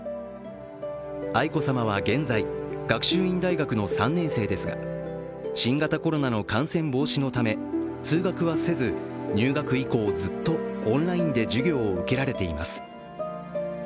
愛子さまは現在、学習院大学の３年生ですが、新型コロナの感染防止のため、通学はせず、入学以降、ずっとオンラインで授業を受けられています。